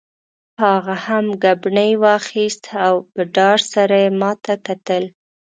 هغه هم ګبڼۍ واخیست او په ډار سره یې ما ته کتل.